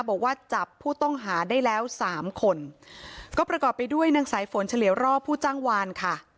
บอกว่าจับผู้ต้องหาได้แล้วสามคนก็ประกอบไปด้วยนางสายฝนเฉลี่ยวรอบผู้จ้างวานค่ะ